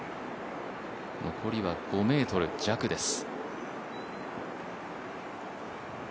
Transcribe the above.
残りは５ｍ弱です。